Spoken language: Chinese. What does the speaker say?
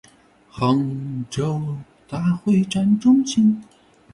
杭州大会展中心